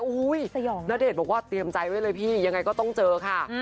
ณเดชน์บอกว่าเตรียมใจไว้เลยพี่ยังไงก็ต้องเจอค่ะ